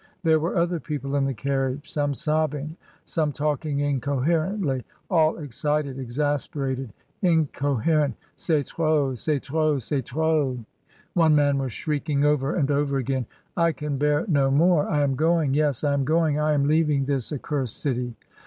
There were other people in the carriage — some sobbing, some talking incoherently, all excited, exasperated, incoherent. *^Cest trop! c*est trop! c*est irop!*^ one 266 MRS. DYMOND. man was shrieking over and over again; ''I can bear no more. I am going — yes, I am going! I am leaving this accursed city."